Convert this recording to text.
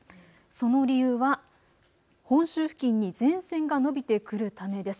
その理由は本州付近に前線が延びてくるためです。